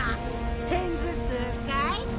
偏頭痛かい？